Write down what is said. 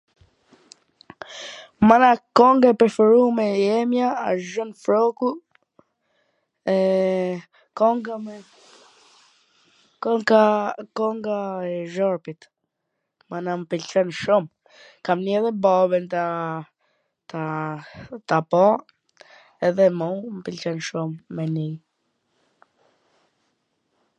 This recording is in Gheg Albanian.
Mana, kong e preferume e jemja wsht Gjon Frroku, eee kwnga me ... kwnga e zharpit, mana, m pwlqen shum, kam nii edhe babwn ta ta po, edhe mu m pwlqen shum me nii.